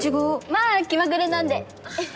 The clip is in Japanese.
まあ気まぐれなんでははっ。